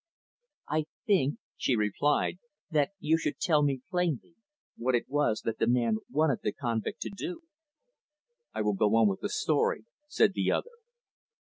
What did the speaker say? "I think," she replied, "that you should tell me, plainly, what it was that the man wanted the convict to do." "I will go on with the story," said the other.